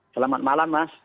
selamat malam mas